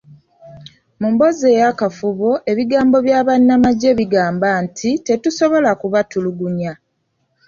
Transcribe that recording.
Mu mboozi ey'akafubo, ebigambo bya bannamagye bigamba nti, "Tetusobola kubatulugunya".